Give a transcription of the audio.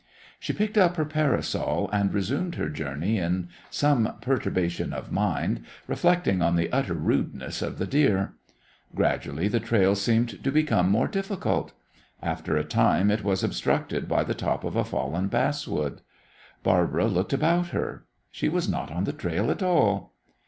She picked up her parasol, and resumed her journey in some perturbation of mind, reflecting on the utter rudeness of the deer. Gradually the trail seemed to become more difficult. After a time it was obstructed by the top of a fallen basswood. Barbara looked about her. She was not on the trail at all.